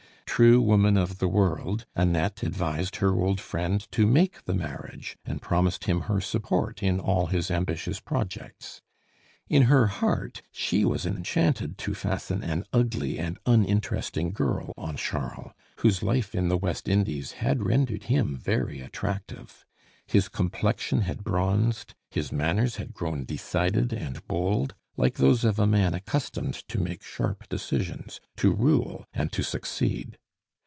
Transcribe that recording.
True woman of the world, Annette advised her old friend to make the marriage, and promised him her support in all his ambitious projects. In her heart she was enchanted to fasten an ugly and uninteresting girl on Charles, whose life in the West Indies had rendered him very attractive. His complexion had bronzed, his manners had grown decided and bold, like those of a man accustomed to make sharp decisions, to rule, and to succeed.